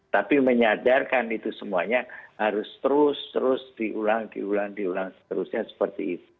tapi menyadarkan itu semuanya harus terus terus diulang diulang diulang seterusnya seperti itu